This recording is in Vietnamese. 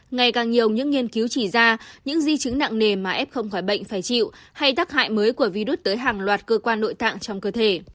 ngày càng nhiều những nghiên cứu chỉ ra những di chứng nặng nề mà f không khỏi bệnh phải chịu hay tác hại mới của virus tới hàng loạt cơ quan nội tạng trong cơ thể